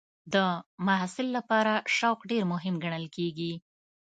د محصل لپاره شوق ډېر مهم ګڼل کېږي.